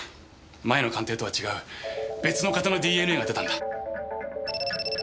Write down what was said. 前の鑑定とは違う別の型のＤＮＡが出たんだ。